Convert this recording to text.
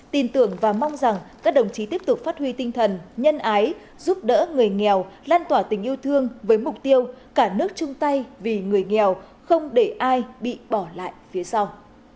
tin tưởng và mong rằng các đồng chí tiếp tục phát huy tinh thần nhân ái giúp đỡ người nghèo lan tỏa tình yêu thương với mục tiêu cả nước chung tay vì người nghèo không để ai bị bỏ lại phía sau